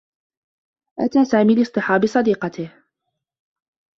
أتى سامي لاصطحاب صديقته.